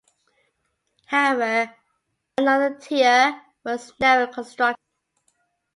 However, another tier was never constructed.